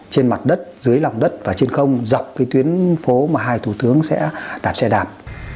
trên mặt đất dưới lòng đất và trên không dọc cái tuyến phố mà hai thủ tướng sẽ đạp xe đạp